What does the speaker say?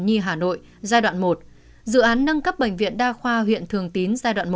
nhi hà nội giai đoạn một dự án nâng cấp bệnh viện đa khoa huyện thường tín giai đoạn một